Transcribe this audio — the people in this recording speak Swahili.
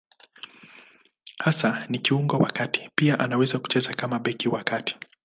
Hasa ni kiungo wa kati; pia anaweza kucheza kama beki wa kati.